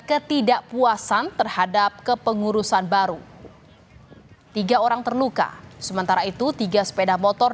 ketidakpuasan terhadap kepengurusan baru tiga orang terluka sementara itu tiga sepeda motor